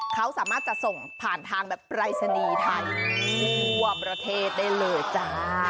เขาสามารถจะส่งผ่านทางแบบปรายศนีย์ไทยทั่วประเทศได้เลยจ้า